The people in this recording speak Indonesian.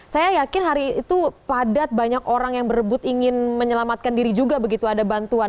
saya yakin hari itu padat banyak orang yang berebut ingin menyelamatkan diri juga begitu ada bantuan